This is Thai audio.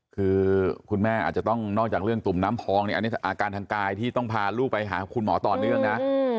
คือคุณแม่อาจจะต้องนอกจากเรื่องตุ่มน้ำพองเนี่ยอันนี้อาการทางกายที่ต้องพาลูกไปหาคุณหมอต่อเนื่องนะ